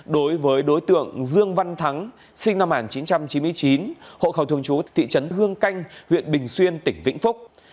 đối với đối tượng dương văn thắng sinh năm một nghìn chín trăm chín mươi chín hộ khẩu thường chú thị trấn hương canh huyện bình xuyên tỉnh vĩnh phúc